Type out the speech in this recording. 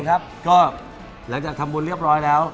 โอเคครับก็หลังจากทำบนเรียบร้อยแล้ว